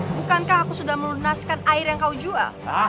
bukankah aku sudah melunaskan air yang kau jual